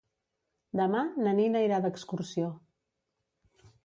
Demà na Nina irà d'excursió.